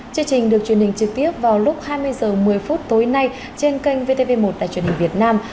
chương trình được truyền hình trực tiếp vào lúc hai mươi h một mươi phút tối nay trên kênh vtv một đài truyền hình việt nam